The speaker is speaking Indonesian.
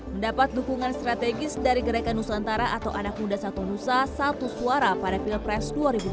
mendapat dukungan strategis dari gerakan nusantara atau anak muda satu nusa satu suara pada pilpres dua ribu dua puluh